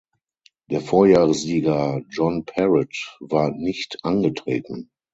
Der Vorjahressieger John Parrott war nicht angetreten.